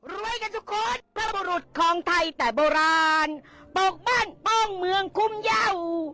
รวยกันทุกคนพบรุษของไทยแต่โบราณปกบ้านโป้งเมืองคุ้มเย่า